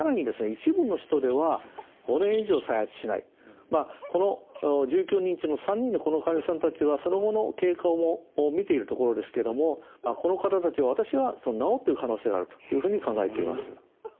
一部の人では５年以上再発しないまあこの１９人中の３人のこの患者さんたちはその後の経過を見ているところですけどもこの方たちは私は治ってる可能性があるというふうに考えています。